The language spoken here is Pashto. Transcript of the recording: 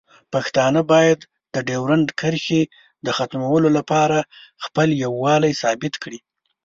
پښتانه باید د ډیورنډ کرښې د ختمولو لپاره خپل یووالی ثابت کړي.